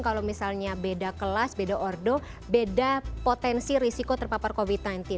kalau misalnya beda kelas beda ordo beda potensi risiko terpapar covid sembilan belas